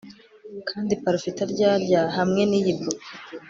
Kandi parufe itaryarya hamwe niyi bouquet